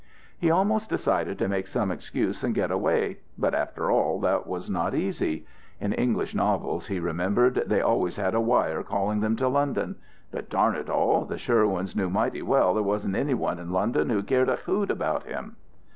He almost decided to make some excuse and get away; but after all, that was not easy. In English novels, he remembered, they always had a wire calling them to London; but, darn it all! the Sherwoods knew mighty well there wasn't any one in London who cared a hoot about him.